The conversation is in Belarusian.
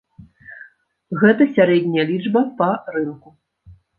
Гэта сярэдняя лічба па рынку.